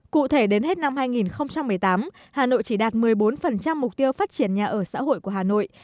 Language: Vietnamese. cụ thể đến hết năm hai nghìn một mươi tám hà nội chỉ đạt một mươi bốn mục tiêu phát triển nhà ở xã hội của hà nội